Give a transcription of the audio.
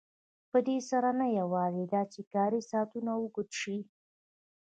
په دې سره نه یوازې دا چې کاري ساعتونه اوږده شي